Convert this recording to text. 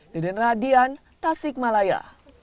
deden radian tasikmalaya